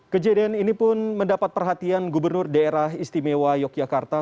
kejadian ini pun mendapat perhatian gubernur daerah istimewa yogyakarta